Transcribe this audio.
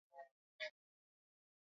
Sipendi kwenda hosipitalini na baba